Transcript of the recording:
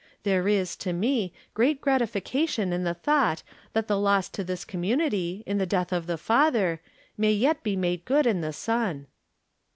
There is, to me, great gratification in the thought that the loss to this community, in the death of the father, may yet be made good in the son."